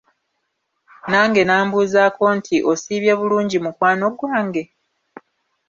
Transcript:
Nange n'ambuuzaako nti Osiibye bulungi mukwano gwange?